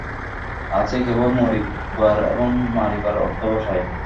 আছে কেবল মরিবার এবং মারিবার অধ্যবসায়।